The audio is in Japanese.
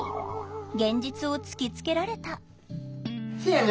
現実を突きつけられた「せやな」。